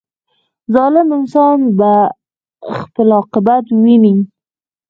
• ظالم انسان به خپل عاقبت ویني.